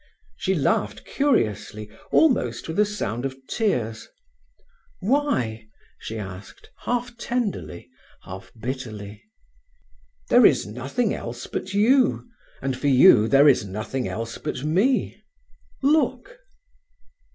She laughed curiously, almost with a sound of tears. "Why?" she asked, half tenderly, half bitterly. "There is nothing else but you, and for you there is nothing else but me—look!"